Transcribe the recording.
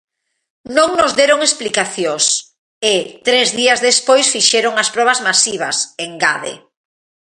"Non nos deron explicacións" e "tres días despois fixeron as probas masivas", engade.